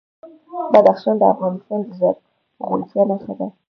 بدخشان د افغانستان د زرغونتیا نښه ده.